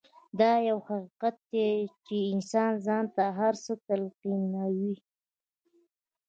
دا يو حقيقت دی چې انسان ځان ته هر څه تلقينوي.